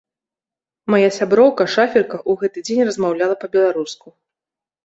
Мая сяброўка, шаферка, у гэты дзень размаўляла па-беларуску.